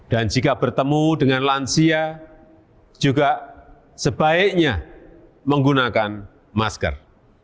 jika bertemu dengan lansia juga sebaiknya menggunakan masker